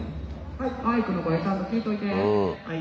マイクの声ちゃんと聞いといて。